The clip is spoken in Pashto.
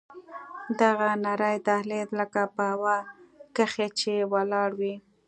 دغه نرى دهلېز لکه په هوا کښې چې ولاړ وي.